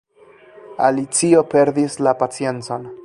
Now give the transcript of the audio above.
Alicio perdis la paciencon.